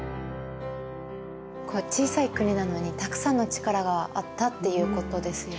小さい国なのにたくさんの力があったっていうことですよね。